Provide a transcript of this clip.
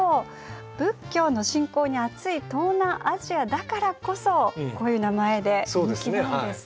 仏教の信仰にあつい東南アジアだからこそこういう名前で人気なんですね。